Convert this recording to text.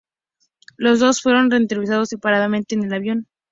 Los dos fueron entrevistados separadamente en el avión.